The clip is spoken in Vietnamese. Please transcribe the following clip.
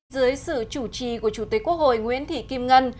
dưới sự chủ trì của chủ tịch quốc hội nguyễn thị kim ngân